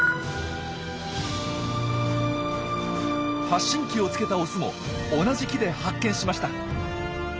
発信機をつけたオスも同じ木で発見しました。